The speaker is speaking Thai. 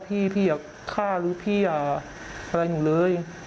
พี่อย่าฆ่าหรือพี่อย่าอะไรหนูเลย